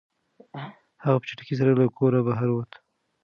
هغه په چټکۍ سره له کوره بهر ووت.